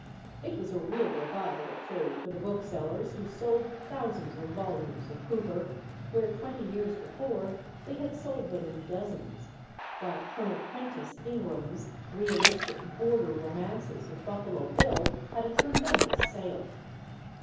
It was a real revival of trade for the booksellers, who sold thousands of volumes of Cooper, where twenty years before they had sold them in dozens, while Colonel Prentiss Ingraham's realistic "Border Romances of Buffalo Bill" had a tremendous sale.